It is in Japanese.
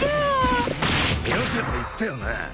よせと言ったよな？